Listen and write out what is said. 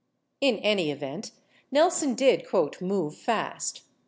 27 In any event, Nelson did "move fast."